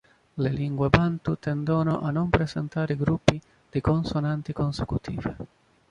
Le lingue bantu tendono a non presentare gruppi di consonanti consecutive.